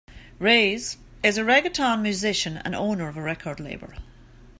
Reyes is a reggaeton musician and owner of a record label.